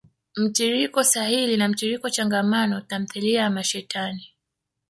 mtiririko sahili na mtiririko changamano. Tamthilia ya mashetani.